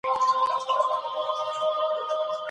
امام ابويوسف فرمايي، چي ميرمن ئې نده طلاقه.